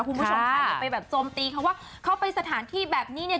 คุณผู้ชมค่ะอย่าไปแบบโจมตีเขาว่าเขาไปสถานที่แบบนี้เนี่ย